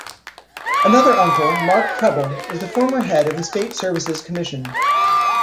Another uncle, Mark Prebble, is the former head of the State Services Commission.